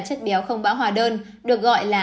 chất béo không bão hòa đơn được gọi là